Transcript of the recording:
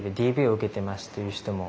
「ＤＶを受けてます」という人も。